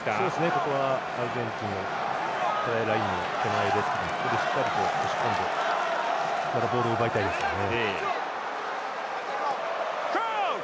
ここはアルゼンチンをここでしっかりと押し込んでまたボールを奪いたいですよね。